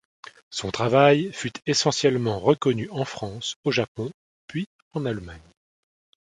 Son travail fut essentiellement reconnu en France, au Japon puis en Allemagne.